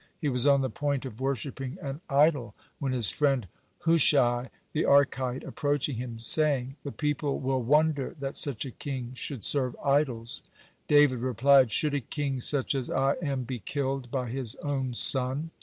He was on the point of worshipping an idol, when his friend Hushai the Archite approached him, saying: "The people will wonder that such a king should serve idols." David replied: "Should a king such as I am be killed by his own son?